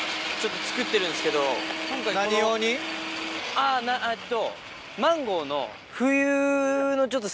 あえっと。